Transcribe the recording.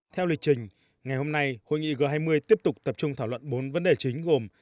theo lịch trình ngày hôm nay hội nghị g hai mươi tiếp tục tập trung thảo luận bốn vấn đề chính gồm